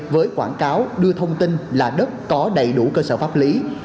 với quảng cáo đưa thông tin là đất có đầy đủ cơ sở pháp lý